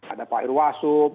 ada pak irwasum